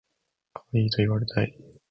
かわいいと言われたい